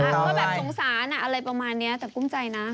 ก็แบบสงสารอะไรประมาณนี้แต่กุ้มใจนะ